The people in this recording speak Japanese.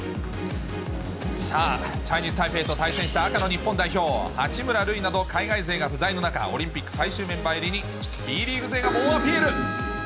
さあ、チャイニーズ・タイペイと対戦した赤の日本代表、八村塁など、海外勢が不在の中オリンピック最終メンバー入りにＢリーグ勢が猛アピール。